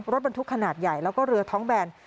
รถบรรทุกขนาดใหญ่แล้วก็เรือท้องแบน